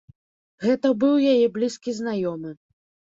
Гэта быў яе блізкі знаёмы.